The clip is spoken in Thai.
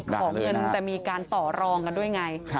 ขอเงินแต่มีการต่อรองกันด้วยไง